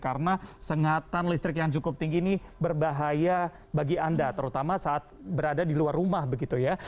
karena sengatan listrik yang cukup tinggi ini berbahaya bagi anda terutama saat berada di luar rumah begitu ya